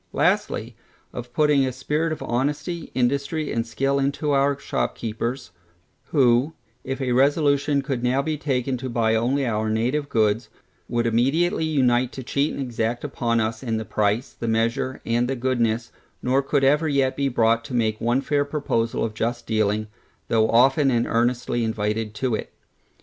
Lastly, of putting a spirit of honesty, industry, and skill into our shopkeepers, who, if a resolution could now be taken to buy only our native goods, would immediately unite to cheat and exact upon us in the price, the measure, and the goodness, nor could ever yet be brought to make one fair proposal of just dealing, though often and earnestly invited to it.